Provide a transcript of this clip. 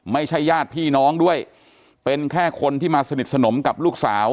ญาติพี่น้องด้วยเป็นแค่คนที่มาสนิทสนมกับลูกสาว